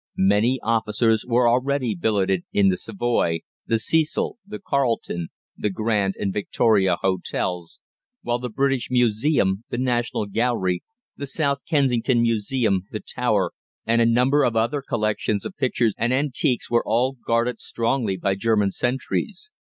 Many officers were already billeted in the Savoy, the Cecil, the Carlton, the Grand, and Victoria hotels, while the British Museum, the National Gallery, the South Kensington Museum, the Tower, and a number of other collections of pictures and antiques were all guarded strongly by German sentries.